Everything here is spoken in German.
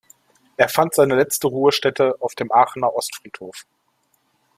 Er fand seine letzte Ruhestätte auf dem Aachener Ostfriedhof.